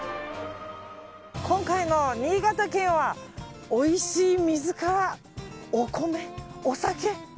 今回の新潟旅はおいしい水からお米、お酒。